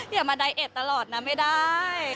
อย่ามาไดเอสตลอดนะไม่ได้